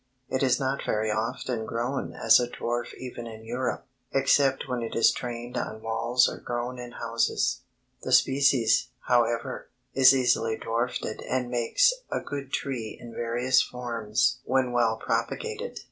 It is not very often grown as a dwarf even in Europe, except when it is trained on walls or grown in houses. The species, however, is easily dwarfed and makes a good tree in various forms when well propagated.